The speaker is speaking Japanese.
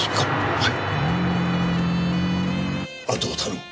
はい！